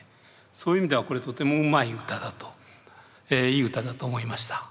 そういう意味ではこれとてもうまい歌だといい歌だと思いました。